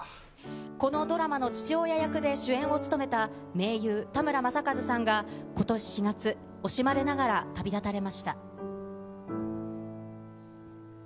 このドラマの父親役で主演を務めた名優、田村正和さんが、ことし４月、惜しまれながら旅立たれました。